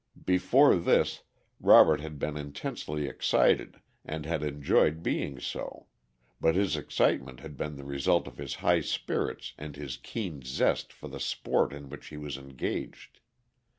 Before this Robert had been intensely excited and had enjoyed being so, but his excitement had been the result of his high spirits and his keen zest for the sport in which he was engaged.